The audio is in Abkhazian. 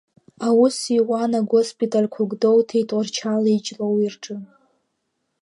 Аус иуан агоспитальқәа Гәдоуҭеи, Тҟәарчали, Ҷлоуи рҿы.